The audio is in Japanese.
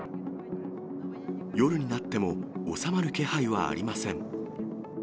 夜になっても収まる気配はありません。